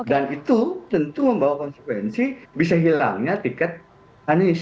dan itu tentu membawa konsekuensi bisa hilangnya tiket anies